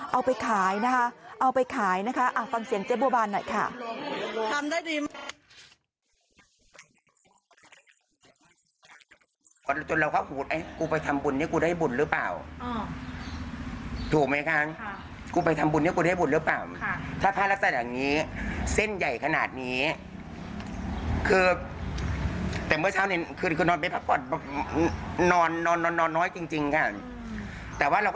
เอาไปขายนะคะเอาไปขายนะคะฟังเสียงเจ๊บัวบานหน่อยค่ะ